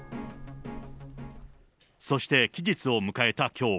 そして期日を迎えたきょう。